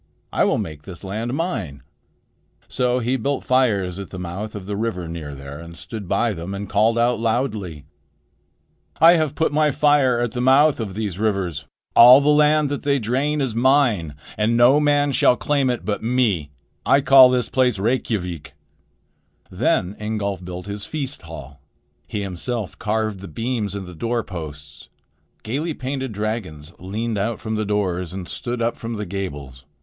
"I will make this land mine." So he built fires at the mouth of the river near there, and stood by them and called out loudly: "I have put my fire at the mouth of these rivers. All the land that they drain is mine, and no man shall claim it but me. I will call this place Reykjavik." Then Ingolf built his feast hall. He himself carved the beams and the door posts. Gaily painted dragons leaned out from the doors and stood up from the gables.